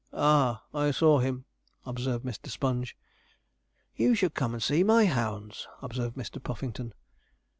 'Ah, I saw him,' observed Mr. Sponge. 'You should come and see my hounds,' observed Mr. Puffington.